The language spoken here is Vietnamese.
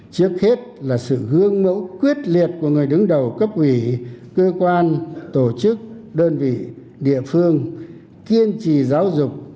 trước hết là sự gương mẫu quyết liệt của người đứng đầu cấp ủy cơ quan tổ chức đơn vị địa phương kiên trì giáo dục